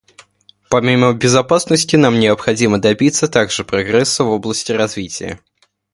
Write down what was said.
Помимо безопасности, нам необходимо добиться также прогресса в области развития.